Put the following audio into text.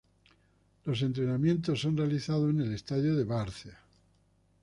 Los entrenamientos son realizados en el estadio de Várzea.